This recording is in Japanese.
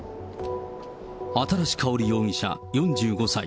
新かほり容疑者４５歳。